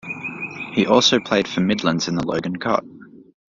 He also played for Midlands in the Logan Cup.